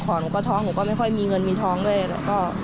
ก็แม่หนูนะ